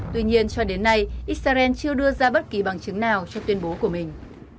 tuy nhiên cho đến nay israel chưa đưa ra bất kỳ bằng chứng nào cho tuyên bố của mình